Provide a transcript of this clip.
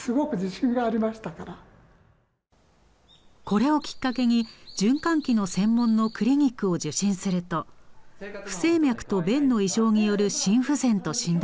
これをきっかけに循環器の専門のクリニックを受診すると不整脈と弁の異常による心不全と診断されました。